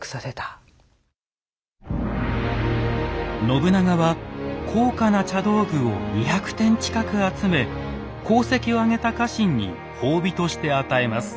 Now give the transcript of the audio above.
信長は高価な茶道具を２００点近く集め功績をあげた家臣に褒美として与えます。